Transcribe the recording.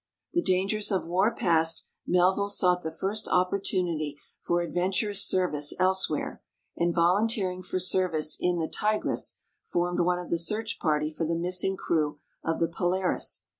The dangers of war past, Melville sought the first opportunity for adventurous service elsewhere, and volunteering for service in the Tigress, formed one of the search party for the missing crew of the Polaris.